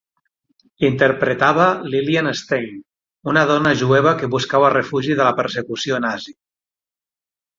Interpretava Lillian Stein, una dona jueva que buscava refugi de la persecució nazi.